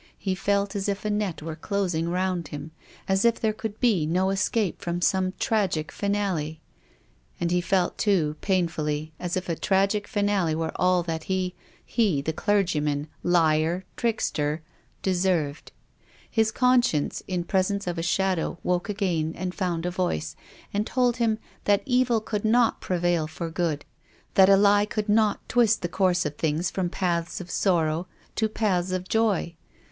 He felt as if a net were closing round him, as if there could be no escape from some tragic finale. And he felt too, painfully, as if a tragic finale were all that he — he, clergyman, liar, trickster, — deserved. His conscience, in pres ence of a shadow, woke again, and found a voice, and told him that evil could not prevail for good, that a lie could not twist the course of things from paths of sorrow to paths of joy.